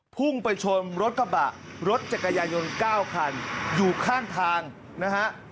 พุ่งไปชนรถกระบะรถจักรยายน๙คันอยู่ข้างทางนะฮะ